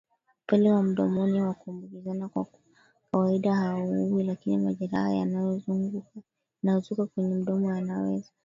Upele wa mdomoni wa kuambukizana kwa kawaida hauui lakini majeraha yanayozuka kwenye mdomo yanaweza